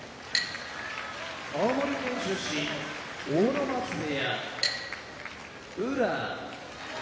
青森県出身阿武松部屋宇良